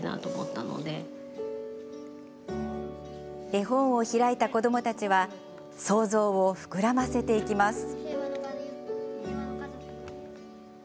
絵本を開いた子どもたちは想像を膨らませていきます。